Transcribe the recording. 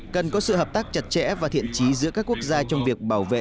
cần có sự hợp tác chặt chẽ và thiện trí giữa các quốc gia trong việc bảo vệ